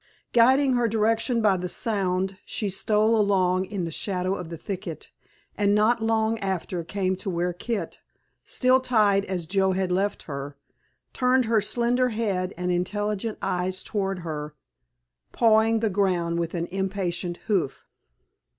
Guiding her direction by the sound she stole along in the shadow of the thicket and not long after came to where Kit, still tied as Joe had left her, turned her slender head and intelligent eyes toward her, pawing the ground with an impatient hoof.